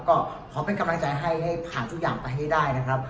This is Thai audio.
ก็ขอเป็นกำลังใจให้ให้ผ่านทุกอย่างไปให้ได้นะครับ